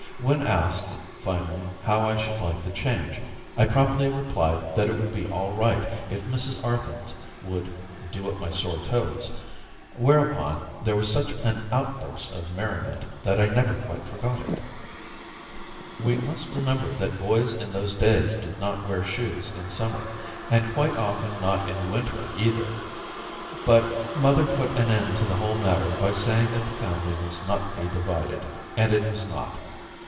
When asked, finally, how I should like the change, I promptly replied that it would be all right if Mrs. Arthens would "do up my sore toes," whereupon there was such an outburst of merriment that I never forgot it. We must remember that boys in those days did not wear shoes in summer, and quite often not in winter either. But mother put an end to the whole matter by saying that the family must not be divided, and it was not.